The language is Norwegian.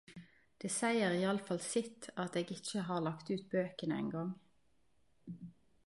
Det seier iallfall sitt at eg ikkje har lagt ut bøkene ein gong.